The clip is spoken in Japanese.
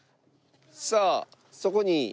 さあそこに。